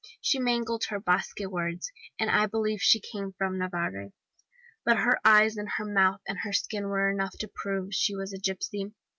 She mangled her Basque words, and I believed she came from Navarre. But her eyes and her mouth and her skin were enough to prove she was a gipsy.